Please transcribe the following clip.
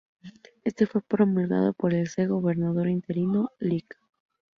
Este fue promulgado por el C. Gobernador Interino, Lic.